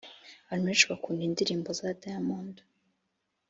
Abantu benshi bakunda indirimbo za diamond